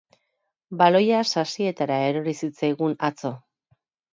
Baloia sasietara erori zitzaigun atzo.